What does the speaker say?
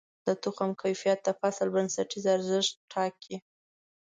د تخم کیفیت د فصل بنسټیز ارزښت ټاکي.